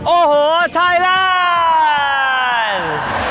โอ้โหไทยแลนด์